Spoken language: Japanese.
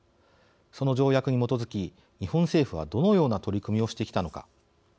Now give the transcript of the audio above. その条約に基づき、日本政府はどのような取り組みをしてきたのか。